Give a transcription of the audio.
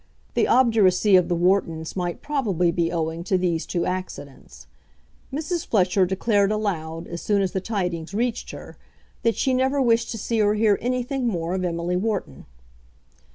The obduracy of the Whartons might probably be owing to these two accidents. Mrs. Fletcher declared aloud, as soon as the tidings reached her, that she never wished to see or hear anything more of Emily Wharton.